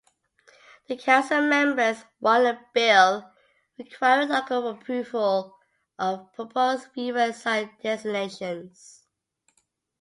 The council members won a bill requiring local approval of proposed freeway sign designations.